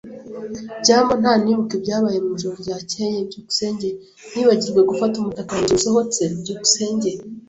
byambo ntanibuka ibyabaye mwijoro ryakeye. byukusenge Ntiwibagirwe gufata umutaka wawe mugihe usohotse. byukusenge